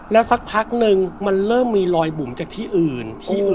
แล้วสักพักนึงมันเริ่มมีรอยบุ๋มจากที่อื่นที่อื่น